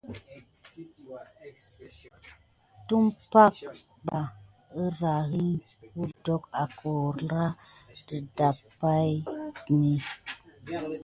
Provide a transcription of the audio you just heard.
Tät dumpag ɓa kirini wudon akura dida pay ki.